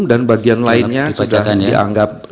dan bagian lainnya sudah dianggap